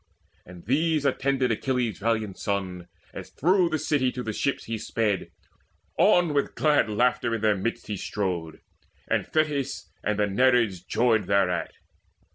And these attended Achilles' valiant son, As through the city to the ship he sped. On, with glad laughter, in their midst he strode; And Thetis and the Nereids joyed thereat.